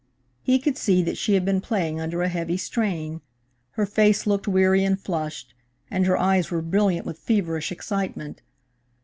He could see that she had been playing under a heavy strain. Her face looked weary and flushed, and her eyes were brilliant with feverish excitement.